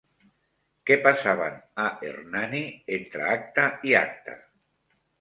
Què passaven a Hernani entre acte i acte?